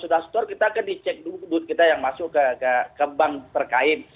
sudah store kita akan dicek dulu duit kita yang masuk ke bank terkait